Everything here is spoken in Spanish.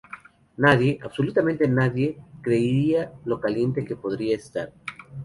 Nadie, absolutamente nadie, creería lo caliente que podría estar".